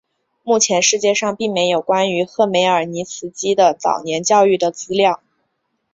目前世界上并没有关于赫梅尔尼茨基的早年教育的资料。